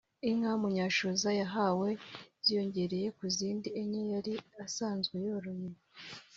Inka Munyanshoza yahawe ziyongereye ku zindi enye yari asanzwe yoroye